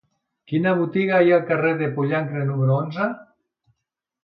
Quina botiga hi ha al carrer del Pollancre número onze?